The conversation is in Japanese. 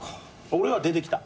俺は出てきた。